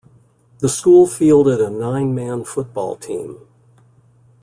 The school fielded a nine-man football team.